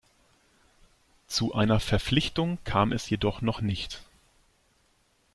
Zu einer Verpflichtung kam es jedoch noch nicht.